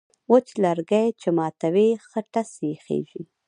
وچ لرگی چې ماتوې، ښه ټس یې خېژي.